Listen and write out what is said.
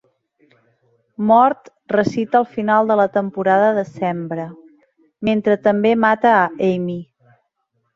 Mort recita el final de la Temporada de sembra, mentre també mata a Amy.